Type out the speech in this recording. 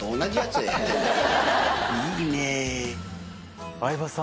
いいねぇ。